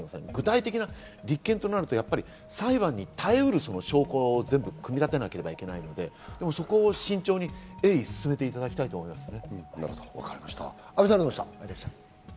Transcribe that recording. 具体的な立件となると裁判に耐えうる証拠を組み立てなければいけないので、そこを慎重に鋭意進めていただきたいと思いますね。